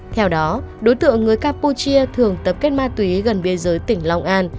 theo đó đối tượng người campuchia thường tập kết ma túy gần biên giới tỉnh long an